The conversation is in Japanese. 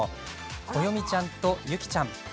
こよみちゃんとゆきちゃん。